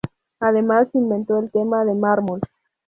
Además, inventó la tema de mármol.